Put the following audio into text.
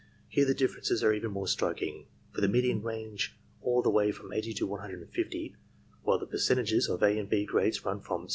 Here the differences are even more striking, for the medians range all the way from 80 to 150, while the percentages of A and B grades run from 17.